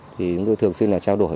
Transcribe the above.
thì tôi thường xuyên là trao đổi